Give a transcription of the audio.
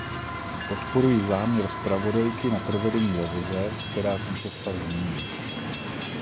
Podporuji záměr zpravodajky na provedení revize, která tento stav změní.